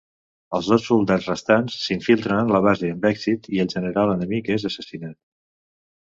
Els dos soldats restants s'infiltren en la base amb èxit, i el general enemic és assassinat.